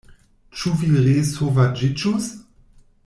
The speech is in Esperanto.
Ĉu vi resovaĝiĝus?